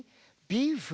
ビーフ？